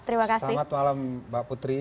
selamat malam mbak putri